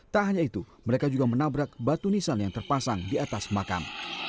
tak hanya itu mereka juga menabrak batu nisan yang terpasang di atas makam